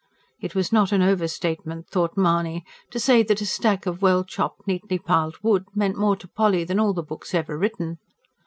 It was not an overstatement, thought Mahony, to say that a stack of well chopped, neatly piled wood meant more to Polly than all the books ever written.